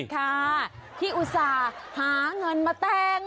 ค่ะพี่อุศาหาเงินมาแต่ง